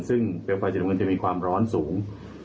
ซึ่งเปลวไฟสีน้ำเงินจะมีความร้อนสูง